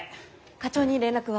課長に連絡は？